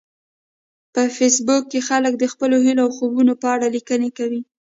په فېسبوک کې خلک د خپلو هیلو او خوبونو په اړه لیکنې کوي